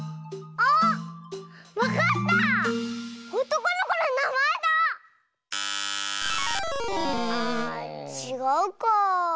あちがうかあ。